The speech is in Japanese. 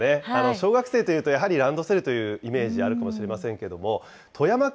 小学生というとやはりランドセルというイメージ、あるかもしれませんけれども、富山県